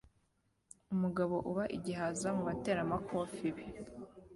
Umugabo uba igihaza mu bateramakofe be